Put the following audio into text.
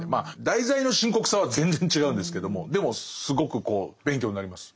題材の深刻さは全然違うんですけどもでもすごく勉強になります。